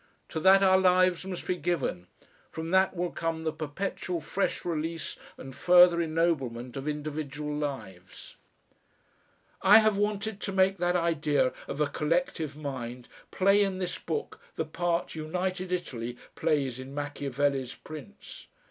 To that our lives must be given, from that will come the perpetual fresh release and further ennoblement of individual lives.... I have wanted to make that idea of a collective mind play in this book the part United Italy plays in Machiavelli's PRINCE.